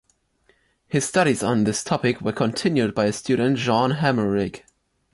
His studies on this topic were continued by his student, Jan Hemelrijk.